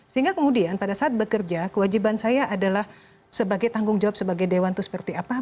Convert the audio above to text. sehingga kemudian pada saat bekerja kewajiban saya adalah sebagai tanggung jawab sebagai dewan itu seperti apa